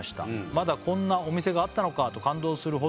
「まだこんなお店があったのかと感動するほど」